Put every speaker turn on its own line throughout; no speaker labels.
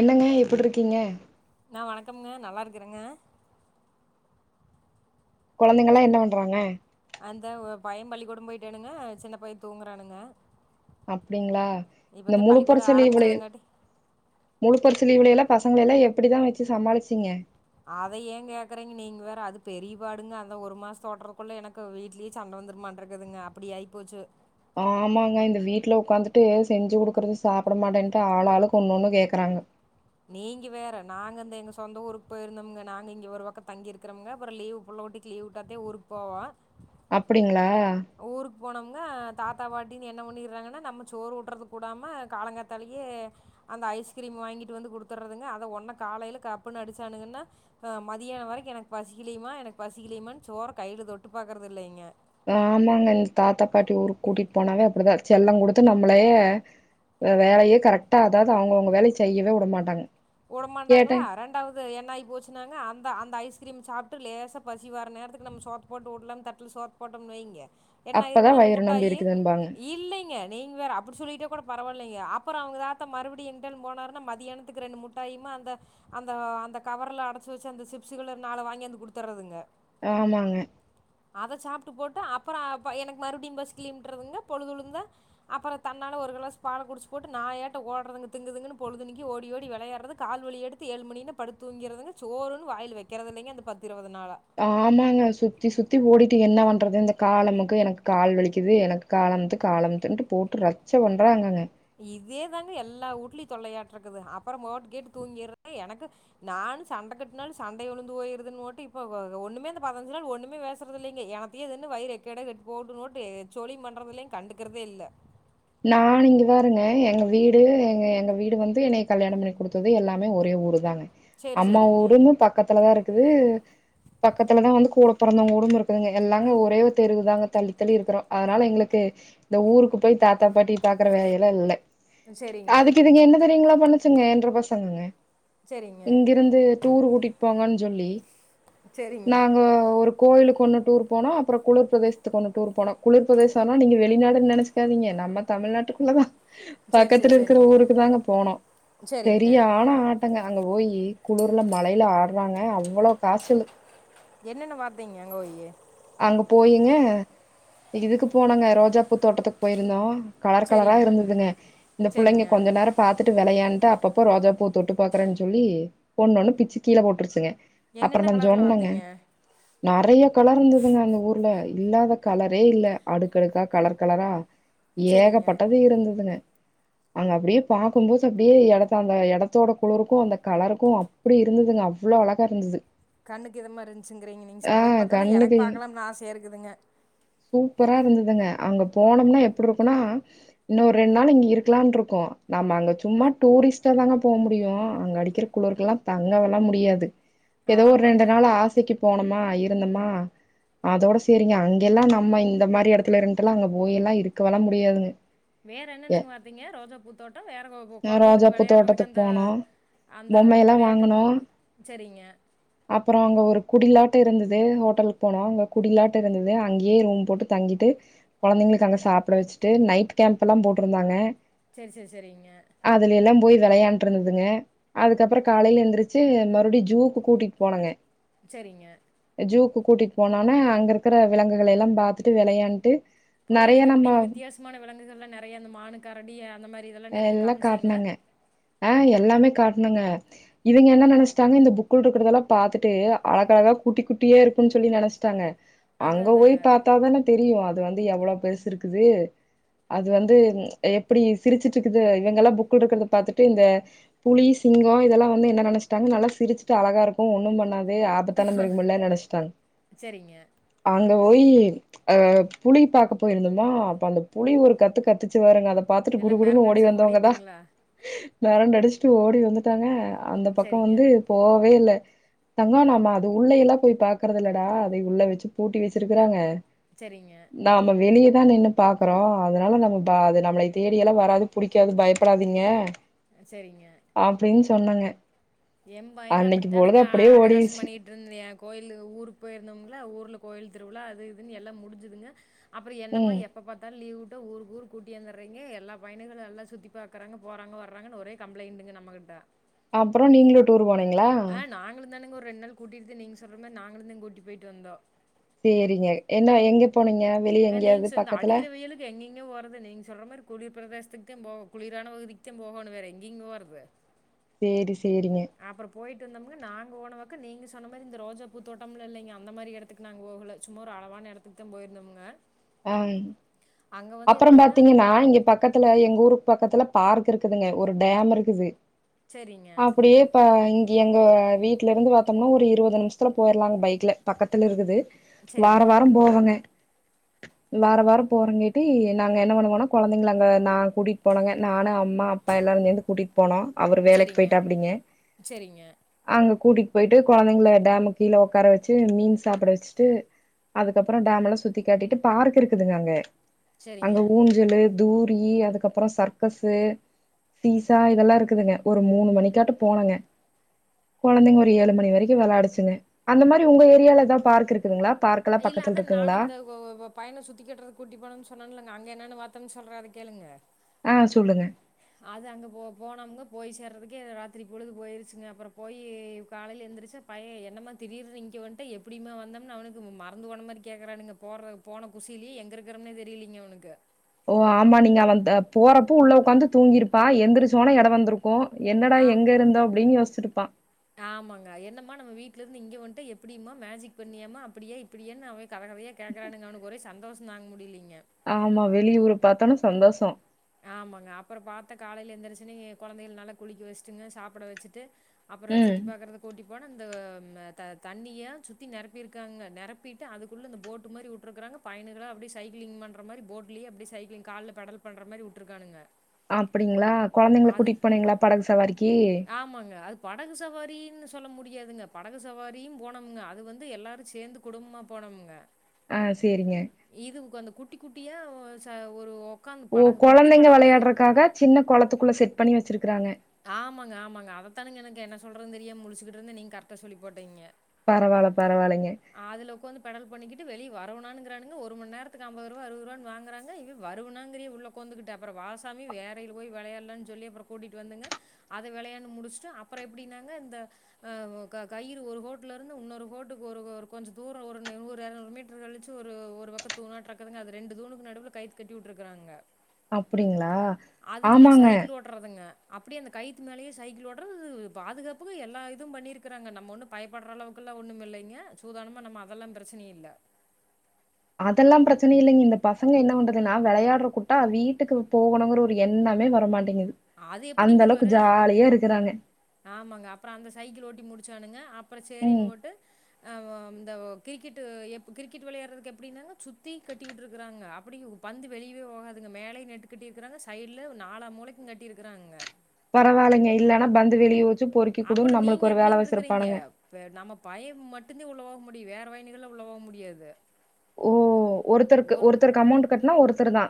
என்னங்க எப்பிட்ருக்கிங்க
ஆ வணக்கம்ங்க நல்லா இருக்கறங்க
கொழந்தங்கல்லா என்ன பண்றாங்க
அந்த பைய பள்ளிக்கூடோ போய்ட்டானுங்க சின்ன பைய தூங்குறானுங்க
அப்பிடிங்ளா
இப்பத்தே
இந்த
பள்ளிக்கூட
பரீச்ச லீவுலயே
ஆரம்பிச்சதுங்காட்டி
முழு பரீச்ச லீவுல எல்லா பசங்கள எல்லா எப்பிடிதா வச்சு சமாளிச்சிங்க
அத ஏன் கேக்குறீங்க நீங்க வேற அது பெரிய பாடுங்க அந்த ஒரு மாசோ ஓட்ரதுக்குள்ள எனக்கு வீட்லயே சண்ட வந்துருமாட் இருக்குதுங்க அப்பிடி ஆயி போச்சு
ஆமாங்க இந்த வீட்ல உக்காந்துட்டு செஞ்சு குடுக்குறது சாப்பிட மாட்டேன்ட்டு ஆளாளுக்கு ஒன் ஒண்ணு கேக்குறாங்க
நீங்க வேற நாங்க இந்த எங்க சொந்த ஊருக்கு போயிருந்தோம்ங்க நாங்க இங்க ஒரு பக்கோ தங்கி இருக்கிறம்ங்க அப்புறோ லீவு புள்ளோட்டி லீவ் உட்டாதா ஊருக்கு போவோ
அப்டிங்ளா
ஊருக்கு போனம்ன்னா தாத்தா பாட்டின்னு என்ன பண்ணிட்றாங்கன்னா நம்ம சோறு ஊட்றதுக்கு உடாம காலங்காத்தாலயே அந்த ஐஸ்கிரீம் வாங்கிட்டு வந்து குடுத்தட்றதுங்க அத ஒன்ன காலைல கப்புன்னு அடிச்சானுங்கன்னா அ மதியானம் வரைக்கும் எனக்கு பசிக்கிலயிம்மா எனக்கு பசிக்கிலயிம்மா சோற கைல தொட்டு பாக்குறது இல்லங்க
ஆமாங்க இந்த தாத்தா பாட்டி ஊருக்கு கூட்டிட்டு போனாவே அப்பிடிதா செல்லம் குடுத்து நம்பளய வேலயே கரக்ட் டா அதாவது அவங்கவுங்க வேலய செய்யவே உடமாட்டாங்க
உடமாட்டாங்ளா அரண் ரெண்டாவது என்ன ஆயி போச்சுனாங்க அந்த அந்த ஐஸ்கிரீம் சாப்ட்டு லேசா பசி வர நேரத்துக்கு நம்ம சோத்த போட்டு உட்லான்னு தட்ல சோத் போட்டம்ன்னு வைங்க என்ன
அப்பதா
ஆயிரும்ன்னா இந்த
வயிறு நொம்பி
முட்டாயி
இருக்குதுன்பாங்க
இல்லைங்க நீங்க வேற அப்பிடி சொல்லிட்டா கூட பரவால்லைங்க அப்பறோ அவங்க தாத்தா மறுபடி இன்டன் போனாருன்னா மதியானத்து ரெண்டு முட் டாயிம்பா அந்த அந்த அந்த கவர்ல அடைச்சு வச்ச அந்த சிப்ஸ் கலர் நாலு வாங்கியாந்து குடுத்தர்றதுங்க
ஆமாங்க
அத சாப்ட்டு போட்டு அப்பறோ எனக்கு மறுபடியு பசிக்கல இன்றதுங்க பொழுதுழுந்தா அப்பறோ தன்னால ஒரு கிளாஸ் பால் குடிச்சு போட்டு நாயாட்டோ ஓட்றதுங்க திங்கு திங்குன்னு பொழுதுனிக்கும் ஓடி ஓடி விளையார் றது கால்வலி எடுத்து ஏழு மணின்னா படுத்து தூங்கிற்றதுங்க சோறுன்னு வாயில வெக்கறது இல்லைங்க அந்த பத்து இருவது நாளா
ஆமாங்க சுத்தி சுத்தி ஓடிட்டு என்ன பண்றது இந்த காலமுக்கு எனக்கு கால் வலிக்குது எனக் கால் அமுத்து கால் அமுத்துன்ட்டு போட்டு ரச்ச பண்றாங்கங்க
இதே தாங்க எல்லா ஊட்லையு தொல்லையாட்ருக்குது அப்பறோ மோட் கேட் தூங்கிட்றாங்க எனக்கு நானும் சண்டை கட்னாலு சண்டை உழுந்து போயிருத்துன்னு போட்டு இப்ப ஒண்ணுமே இந்த பதினஞ்சு நாள் ஒண்ணுமே பேசறது இல்லைங்க எனக்கு தீயதுன்னு வயிறு எக்கேடோ கெட்டு போட்டும்ன்ட்டு போட்டு சோழியு பண்றதில்லங் கண்டுகிறதே இல்ல
நானு இங்கதாயிருந்தே எங்க வீட் டு எங்க எங்க வீடு வந்து என்ன கல்யாணம் பண்ணி குடுத்தது எல்லாமே ஒரே ஊரு தாங்க
சேரி
அம்மா
சேரிங்க
ஊடு ஒன்னு பக்கத்துலதா இருக்குது பக்கத்துலதா வந்து கூட பொறந்தவங்க ஊடும் இருக்குதுங்க எல்லாமே ஒரே தெருவுதாங்க தள்ளித்தள்ளி இருக்கறோஅதனால எங்களுக்கு இந்த ஊருக்கு போய் தாத்தா பாட்டி பாக்குற வேலையெல்லா இல்ல
சேரிங்க
அதுக்கு இதுங்க என்ன தெரியுங்களா பண்ணு ச்சிங்க என்ற பசங்கங்க
சேரிங்க
இங்கிருந்து டூரு கூட்டிட்டு போங்கன்னு சொல்லி
சரிங்க
நாங்க ஒரு கோயிலுக்கு ஒன்னு டூர் போனோ அப்புறோ குளிர் பிரதேசத்துக்கு ஒன்னு டூர் போனோ குளிர்பிரதேசன்னா நீங்க வெளிநாடுன்னு நெனைச்சிகாதீங்க நம் ம தமிழ்நாட்டுக்குள்ள தா
சரி சரி
பக்கத்துல இருக்கற
சரிங்க
ஊருக்கு தாங்க போனோ
சரிங்க
சரியான ஆ ட்டுங்க அங்க போயி குளிர்ல மழையில ஆட்றாங்க அவ்ளோ காச்சலு
என்னன்ன வார்த்தைங்க அங்க போயி
அங்க போயிங்க இதுக்கு போனோங்க ரோஜாப்பூ தோட்டத்துக்கு போயிருந்தோ கலர் கலரா
சரிங்க
இருந்ததுங்க இந்த புள்ளைங்க
சரிங்க
கொஞ்ச நேரம் பாத்துட்டு விளையான்ட்டு அப்பப்போ ரோஜா பூ தொட்டு பாக்குறேன்னு சொல்லி ஒன்னொன்னு பிச்சு கீழ போட்ருச்சுங்க அப்றோ
என்னென்ன
நா
கலரில்
சொன்னங்க
வார்த்தைங்க
நறையா கலர்யிருந்து இதுங்க அந்த ஊர்ல இல்லாத கலரே இல்ல அடுக்கடுக்கா கலர் கலரா
சரிங்க
ஏகப்பட்டது இருந்ததுங்க அங்க அப்டியே பாக்கும்போது அப்டியே எடத்த அந்த எடத்தோட குளுறுக்கு அந்த கலருக்கு அப் அப்டி இருந்துதுங்க அவ்வளோ அழகா இருந்துது
கண்ணுக்கு இதமா இருந்துச்சுங்கிறீங்க நீங்க சொல்றத பாத்தாலே எனக்கு
கண்ணுக்கு
பாக்கலாம்னு ஆசையா இருக்குதுங்க
சூப்பரா இருந்ததுங்க அங்க போனம்னா எப்டி இருக்குன்னா இன்னு ஒரு ரெண் நாள் இங்க இருக்கலான் இருக்கு நம்ம அங்க சும்மா டூரிஸ்ட்டாதாங்க போவ் முடியு அங்க அடிக்கற குளுருக்கு எல்லா தங்கவெல்லா முடியாது எதோ ஒரு
ஆமாங்க
ரெண்டு நாள் ஆசைக்கு போனமா இருந்தம்மா அதோட சேரிங்க அங்கியெல்லா நம்ம இந்த மாரி எடத்துல இருந்துட்டு எல்லா அங்க போய் எல்லா இருக்க வெல்லா முடியாதுங்க
வேற என்னென்னங்க பாத்தீங்க ரோஜா பூத்தோட்டோ வேற
எ
கொழந்தைகளுக்கு
ரோஜாப்பூ
வெளையாடுறதுக்கு
தோட்டத்துக்கு
அந்த
போனோ
அந்த
பொம்மையெல்லா
வெளையாட்டு
வாங்குனோ
சேரிங்க
அப்புறோ அங்க ஒரு குடிலாட்ட இருந்துது ஹோட்டலுக்கு போனோ அங்க குடிலாட்ட இருந்தது அங்கேயே ரூம் போட்டு தங்கிட்டு கொழந்தைங்களுக்கு அங்க சாப்புட வெச்சுட்டு நைட் கேம்ப் எல்லாம் போட்டுருந்தாங்க
சேர் சேர் சேரிங்க
அதுலியெல்லாம் போய் வெளையாண்ட் இருந்ததுங்க அதுக்கப்புறோ காலைல எந்துருச்சு மறுபடியு ஜூக்கு கூட்டிட் போனங்க
சேரிங்க
ஜூக்கு கூட்டிட் போனோனே அங்க இருக்குற விலங்குகள் எல்லாம் பாத்துட்டு வெளையாண்ட்டு நெறைய
புள்ளைளுக்கு
நம்ம
எப்புடிங்க வித்தியாசமான விலங்குகள்லா நறையா அந்த மானு கரடி அந்த மாரி இதெல்லா நறையா
எல்லா
காமிச்சிங்களா
காட்னாங்க ஆ எல்லாமே காட்ணோங்க இவங்க என்ன நெனச்சுட்டாங்க இந்த புக்குள் இருக்குறதெல்லா பாத்துட்டு அழகழகா குட்டி குட்டியே இருக்குன் சொல்லி நெனச் சாங்க
அது
அங்க போய்
அதாங்க
பாத் த்தாதான தெரியு அது வந்து எவ்வளோ பெருசு இருக்குது அது வந்து எப்டி சிரிச்சிட்டு இருக்குது இவங்க எல்லாம் புக் இருக்கறது ப பா்த்துட்டு இந்த புலி சிங்கோ இதெல்லா வந்து என்ன நெனச்சுட்டாங்க நல்லா சிருச்சுட்டு அழகா இருக்கு ஒன்னும் பண்ணாத் து ஆபத்தான மிருகமில்ல நெனச்சுட்டாங்
சரிங்க.
அங்க போயி அ புலி பாக்க போயிருந்தமா அப்ப அந்த புலி ஒரு கத்து கத்துச்சு பாருங்க அத பாத் த்துட்டு குடு
எல்லாம்
குடுன்னு
மிரண்டு
ஓடி
அடிச்சு
வந்தவங்கதா
ஓடிட்டுங்களா?
மெரண்டு அடுச்சுட்டு ஓடி வந்துட்டாங்க அந்த பக்கோ
சரிங்க,
வந்து போவே இல்ல தங்கோ நம்ம அது உள்ளை எல்லா போய் பாக்கறது இல்லடா அதை உள்ள வெச்சு பூட்டி வெச்சுருக்குறாங்க
செரிங்க
நாம வெளியதா நின்னு பாக்கறோ அதனால நம்ம ப அது நம்மளை தேடி எல்லா வராது புடிக்காது பயப்படாதீங்க
அ சேரிங்க
அப்டின் சொன்னங்க
என் பையன அப்புடித்தானங்க அட்டகாசம்
ஓடிடுச்சு
பண்ணிட் இருந்தியே கோயிலுக்கு ஊருக் போயிருந்தோம்ல ஊர்ல கோயில் திருவுழா அது இதுன் எல்லா முடுஞ்சுதுங்க அப்புறோ என்னமா
ம்
எப் எப்ப பாத்தாலு லீவ் உட்டா ஊருக்கு ஊருக்கு கூட்டியாந்துர்றீங்க எல்லா பையனுகளு எல்லா சுத்தி பாக்கறாங்க போறாங்க வராங்கன் ஒரே கம்ப்ளைண்ட்டுங்க நம்மகிட்ட
அப்புறோ நீங்களு டூரு போனீங்களா
நாங்களுந்தானுங்க ஒரு ரெண் நாள் கூட்டிட்டு நீங்க சொல்ற மாரி நாங்களுந்தா கூட்டி போயிட்டு வந்தோ
சேரிங்க என்ன எங்க போனீங்க வெளிய
அ
எங்கேயாவது
நீங் சேந்து
பக்கத்துல
அடிக்கிற வெயிலுக் எங்கிங்க போறது நீங்க சொல்ற மாரி குளிர் பிரதேசத்துக்குதே போ குளிரான பகுதிக்குத்தே போகோனு வேற எங்கிங்க போறது
சேரி சேரிங்க
அப்றோ போயிட்டு வந்தம்ங்க நாங்க போனவாக்கு நீங்க சொன்ன மாரி இந்த ரோஜா பூத்தோட்டம்ல இல்லைங்க அந்த மாதிரி எட த்துக்கு நாங்க போகல சும்மா ஒரு அளவான எடத்துக்கு தா போயிருந்தோம்ங்க
ம்
அங்க வந்து
அப்றோ
எப்டின்னா
பாத்தீங்கன்னா இங்க பக் பக்கத்துல எங்க ஊருக்கு பக்கத்துல பார்க் இருக்குதுங்க ஒரு டேம் இருக்குது
செரிங்க
அப்டியே இப்ப இங்க எங்க வீட்ல இருந்து பாத்தோம்னா ஒரு இருபது நிமிஷத்துல போயிற்லாங்க பைக்ல பக்கத்துல இருக்குது
செரிங்க
வாரோ வாரோ போவங்க வாரோ வாரோ போறங்கேட்டி நாங்க என்ன பண்ணுவோனா கொழந்தைங்க அங்க நா கூட்டிட்டு போனாங்க நானு அம்மா அப்பா எல்லாரு சேர்ந்து கூட்டிட்டு போனோ அவுரு வேலைக்கு போயிட்டாப்படிங்க
சேரிங்க
அங்க கூட்டிட்டு போயிட்டு கொழந்தைங்களை டேமு கீழ உட்கார வச்சு மீன் சாப்பிட வச்சுட்டு அதுக்கப்றோ டேம் எல்லா சுத்தி காட்டிட்டு பார்க் இருக்குதுங்க அங்க
செரிங்க
அங்க ஊ ஞ்சலு தூரி அதுக்கப்றோ சர்க்கஸு சீசா இதெல்லா இருக்குதுங்க ஒரு மூணு மணிக்காட்டோ போனங்க கொழந்தைங்க ஒரு ஏழு மணி வரைக்கு வெளாடுச்சுங்க அந்த மாரி உங்க ஏரியாவுல எதாவுது பார்க் இருக்குதுங்களா பார்க்
இல்ல அதா நான்ந்த இப்போ பையன சுத்திகாட்டுறதுக்கு கூட்டி போனோனு சொன்னனுல்லங்க என்னன்னு பாத்தோம்ன்னு சொல்றாரு அத கேளுங்க
ஆ சொல்லுங்க
அது அங்க போனோம்ங்க போய் சேர்ரதுக்கே ராத்திரி பொழுது போயிருச்சுங்க அப்றோ போயி காலையிவ எழுந்திரிச்சா பைய என்னமா திடீர்னு இங்க வந்துட்ட எப்டிமா வந்தம்னு அவனுக்கு மறந்து போன மாதிரி கேக்றானுங்க போடுற போன குசிலே எங்க இருக்கறோம்னே தெரிலீங்க அவனுக்கு
ஓ ஆமா நீங்க அவந்த போறப்போ உள்ள உக்காந்து தூங்கிருப்பா எந்திரிச்சோனா எடோ வந்துருக் கு என்னடா
ஆ
எங்க இருந்தோ அப்டின்னு யோசிச்சிருப்பா
ஆமாங்க என்னம்மா நம்ம வீட்ல இருந்து இங்க வண்ட்டோ எப்டிமா மேஜிக் பண்ணியாமா அப்டியா இப்டியான்னு அவன் கதகதயா கேட்கறானுங்க அவனுக்கு சந்தோஷோ தாங்க முடியலீங்க
ஆமா வெளியூர் பாத்தோன்னே சந்தோஷோ
ஆமாங்க அப்றோ பாத்தா காலையில எந்திரிச்சுனி கொழந்தைகள நல்லா குளிக்க வச்சுட்டுங்க சாப்பிட வச்சுட்டு அப்றோ
ம்
சுத்தி பாக்குறது கூட்டி போன இந்த தண்ணிய சுத்தி நெரப்பிருக்காங்க நெரப்பிட்டு அதுக்குள்ள இந்த போட்டு மாரி வுட்டுருக்கறாங்க பயணிகளா அப்டே சைக்கிலிங் பண்ற மாரி போட்லயே அப்டி சைக்கிலிங் கால்ல பெடல் பண்றமாரி உற்றுகாணுங்க
அப்டிங்ளா கொழந்தைங்கள கூட்டிட்டு போனீங்களா படகு சவாரிக்கு
ஆமாங்க அது படகு சவாரின்னு சொல்ல முடியாதுங்க படகு சவாரியு போனோங்க அது வந்து எல்லாரு சேந்து குடும்பமா போனோமுங்க
ஆ சேரிங்க
இது அந்த குட்டி குட்டியா ஒ ச ஒரு உக்காந்து
ஓ
படகு குட்டி
கொழந்தைங்க
படகு மாரி.
விளாயாடுறக்காக சின்ன கொளதுக்குள்ள செட் பண்ணி வச்சிருக்குறாங்க
ஆமாங்க ஆமாங்க அதத்தானுங்க எனக்கு என்ன சொல்றதுனு தெரியாம முழிச்சுட்டுருந்த நீங்க கரெக்டா சொல்லிப்போட்டீங்க
பரவால்ல பரவால்லைங்க
அதுல உக்காந்து பெடல் பண்ணிக்கிட்டு வெளில வரவுணாணுங்க்குறானுங்க ஒருமண் நேரத்துக்கு அம்பது ரூவா அறுவது ரூபான்னு வாங்குறாங்க இர் வருவுனாங்கிறே உள்ள உக்காந்துகிட்டு அப்றோ வாசாமி வேறைய்ல போய் விளையாட்லான்னு சொல்லி அப்றோ கூட்டிட்டு வந்துங்க அத விளையான்டு முடிச்சுட்டு அப்றோ எப்டின்னாங்க இந்த க கயிறு ஒரு கோட்டுல இருந்து இன்னொரு கோட்டுக்கு ஒரு கொ கொஞ்சம் தூரோ ஒரு நூறு எறனூறு மீட் டர் கழுச்சு ஒரு பக்கோ தூணாட்டுருக்குதுங்க அது ரெண்டு தூணுக்கு நடுவுல கைத்து கட்டி வுட்டுருக்குறானுங்க
அப்டிங்களா
அதுலியே
ஆமாங்க
சைக்கிள் ஓட்றதுங்க அப்டியே அந்த கைத்து மேலேயே சைகிள் ஓட்றது பாதுகாப்புக்கு எல்லா இதுவு பண்ணியிருக்குறாங்க நம்ம ஒன்னுப் பயப்பட்ற அளவுக்குல்லா ஒண்ணுமில்லைங்க சூதானமா நம்ம அதெல்லா பிரச்சனை இல்ல
அதெல்லா பிரச்சனை இல்லைங்க இந்த பசங்க என்ன பண்றதுன்னா நா வளையாட்ற கூட்டா அது வீட்டுக்கு போகணுங்குற ஒரு எண்ணமே வர மாட்டேங்குது
அது
அந்த
எப்படிங்க
அளவுக்கு
வரும்?
ஜாலியா இருக்குறாங்க
ஆமாங்க அப்புறோ அந்த சைக்கிள் ஓட்டி முடிச்சானுங்க அப்புறோ
ம்.
சேரின்னுவுட்டு ஆமாம் இந்த கிரிக்கெட்டு எப் கிரிக்கெட் விளையாடு்றதுக்கு எப்டினா சுத்தி கட்டி விட்டுருக்குறானுங்க அப்படி பந்து வெளியேவே போகாதுங்க மேலையு நட்டுக்கட்டியிருக்குறாங்க சைட்ல நாலா மூலைக்கும் கட்டியிருக்குறானுங்க
பரவாயில்லைங்க இல்லன்னா பந்து வெளியே போச்சு பொறுக்கி கூடுன்னு
அப்புறம் நீங்க
நம்ளுக்கு ஒரு வேல
எப்படின்ட்டு இருக்கிறீங்க?
வச்சுருப்பானுங்க
நம்ம பயன் மட்டுமந்தே உள்ள போக முடியும் வேற பயனிக உள்ள போக முடியாது
ஓ ஒருத்தருக்கு
ஒரு
ஒருத்தருக்கு அமௌண்ட் கட்னா ஒருத்தர் தா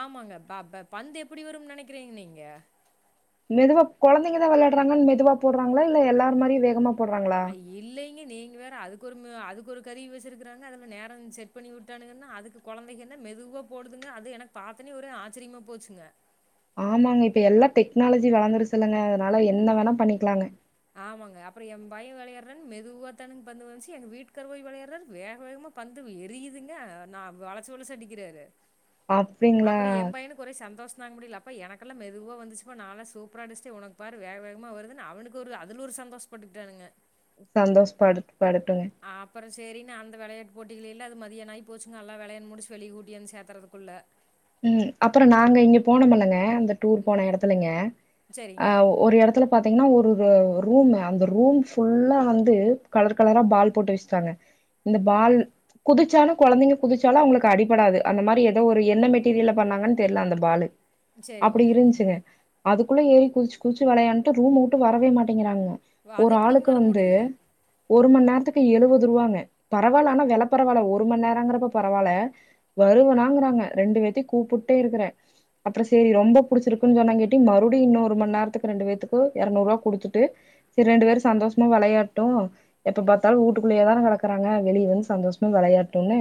ஆமாங்க பா ப பந்து எப்படி வரும்னு நினைக்கிறீங் நீங்க
மெதுவா குழந்தைங்க தா விளையாடுறாங்கனு மெதுவா போடுறாங்களா இல்ல எல்லார் மாரியு வேகமா போடுறாங்களா
இல்லைங்க நீங்க வேற அதுக்கு ஒரு அதுக்கு ஒரு கருவி வச்சுருக்கிறானுங்க அதுல நேரா செட் பண்ணி விட்டானுங்கனா அதுக்கு குழந்தைங்கன்னா மெதுவா போடுதுங்க அது எனக்கு பாத்தனே ஒரே ஆச்சரியமா போச்சுங்க
ஆமாங்க இப்ப எல்லா டெக்னாலஜி வளர்ந்துருச்சுல்லாங்க அதனால என்ன வேணா பண்ணிக்கலாங்க
ஆமாங்க அப்புறே எ பயன் விளையாட்றா மெதுவா தான்ங்க் பந்து வந்துச்சு எங்க வீட்டுக்கார் போய் விளையாட்றாரு வேக வேகமா பந்து எரியுதுங்க நா வளச்சு வளச்சு அடிக்கிறாரு
அப்டிங்களா?
அப்புறம் என் பையனுக்கு ஒரே சந்தோஷம் தங்க முடியல அப்பா எனக்குல்லா மெதுவா வந்துச்சு ப்பா நாளா சூப்பரா அடிச்சுடே உனக்கு பாரு வேக் வேகமா வருதுனு அவனுக்கு ஒரு அதுல ஒரு சந்தோஷப்பட்டுக்கிட்டானுங்க
சந்தோஷப் பட படட்டுங்க
அப்புறம் சேரினு அந்த விளையாட்டு போட்டிகள எல்லா அது மதியானம் ஆய் போச்சுங்க எல்லா விளையான் முடிச்சு வெளிய கூட்டியாந்து சேத்துறதுக்குள்ள
ம் அப்புறோ நாங்க இங்க போனமல்லங்க அந்த டூர் போன இடத்துலங்க அ
சரிங்க,
ஒரு இடத்துல பாத்தீங்கன்னா ஒரு ரூமு அந்த ரூம் ஃபுல்லா வந்து கலர் கலரா பால் போட்டு வச்சுட்டாங்க அந்த பால் குதிச்சாலு குழந்தைங்க குதிச்சாலு அவங்களுக்கு அடிபடாது அந்த மாரி ஏதோ ஒரு என்ன மெட்டு சி ஜில்ல பண்ணாங்கன்னு தெரியல அந்த பாலு
சரிங்க.
அப்படி இருந்துச்சுங்க அதுக்குள்ள ஏறி குதிச்சு குதிச்சு விளையான்ட்டு ரூம் வுட்டு வரவே மாட்டேங்கிறானுங்க
வ-
ஒரு
அது எப்படிங்க
ஆளுக்கு
வர
வந்து
முடியும்?
ஒருமண் நேரத்துக்கு எழுபது ரூபாங்க பரவால்ல ஆனா வேல பரவாயில்ல ஒரு மண் நேரங்கிப்ப பரவால்ல வருவனாங்கிறாங்க ரெண்டு பேத்தையு கூப்பிட்டே இருக்கிறே அப்புறம் சேரி ரொம்ப புடிச்சிருக்குன்னு சொன்னாங்கேட்டி மறுபடி இன்னொரு மண் நேரத்துக்கு ரெண்டு பேத்துக்கு எறநூறு ரூபா குடுத்துட்டு சேர் ரெண்டு பேரு சந்தோஷமா விளையாட்டும் எப்ப பாத்தாலும் வூட்டுக்குள்ளேயே தான கடக்கறாங்க வெளியே வந்து சந்தோஷமா விளையாட்டுன்னு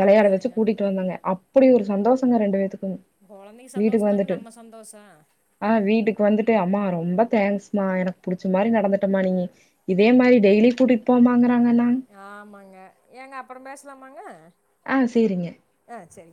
வெளையாட வச்சு
அவ்வளோதானுங்க.
கூட்டிகிட்டு வந்தாேங்க அப்படி ஒரு சந்தோஷங்க ரெண்டு பேத்துக்கு
குழந்தைங்க சந்தோஷ்தாங்க நம்ம சந்தோஷ
ஆ வீட்டுக்கு வந்துட்டு அம்மா ரொம்ப தேங்க்ஸ்ம்மா எனக்கு புடிச்ச மாரி நடந்துட்டமா நீ இதே மாரி டெய்லி கூட்டிட்டு போமாங்குறாங்கண்ணா
ஆமாங்க ஏங்க அப்புற பேசலாமாங்க
ஆ சரிங்க
ஆ சரி